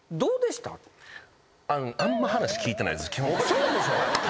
そうでしょ？